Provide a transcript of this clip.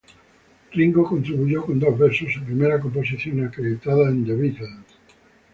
Ringo contribuyó con los versos, su primera composición acreditada en The Beatles.